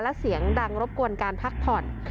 และเสียงดังรบกวนการพักผ่อน